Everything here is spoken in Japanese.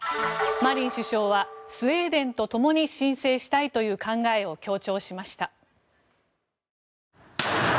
マリン首相はスウェーデンとともに申請したいという考えを強調しました。